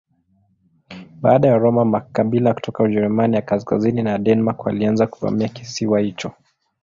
Baada ya Waroma makabila kutoka Ujerumani ya kaskazini na Denmark walianza kuvamia kisiwa hicho.